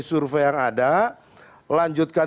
survei yang ada lanjutkan